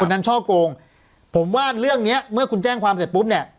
นั้นช่อโกงผมว่าเรื่องเนี้ยเมื่อคุณแจ้งความเสร็จปุ๊บเนี่ย